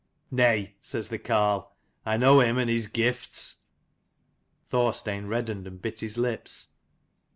107 "Nay," says the carle, "I know him and his gifts." Thorstein reddened and bit his lips.